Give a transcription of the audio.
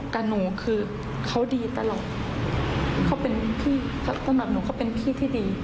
แต่หนูคือเขาดีตลอดเขาเป็นพี่สำหรับหนูเขาเป็นพี่ที่ดี